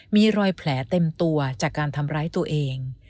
มีรอยแผลเต็มตัวจากการทำร้ายตัวเอง